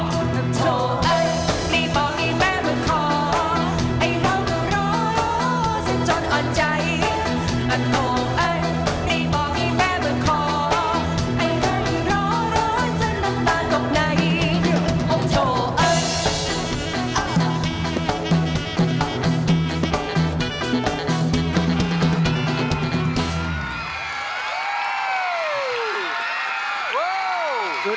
ตัวอันให้บอกให้แม่มันขอให้เราเติมร้อนสิ้นจนอ่อนใจ